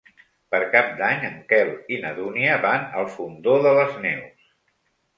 Per Cap d'Any en Quel i na Dúnia van al Fondó de les Neus.